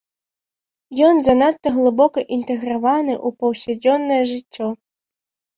Ён занадта глыбока інтэграваны ў паўсядзённае жыццё.